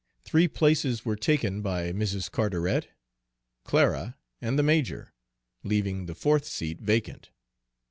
Three places were taken by Mrs. Carteret, Clara, and the major, leaving the fourth seat vacant.